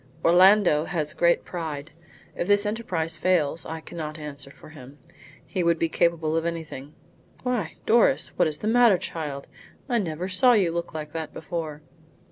"Orlando has great pride. If this enterprise fails I cannot answer for him. He would be capable of anything. Why, Doris! what is the matter, child? I never saw you look like that before."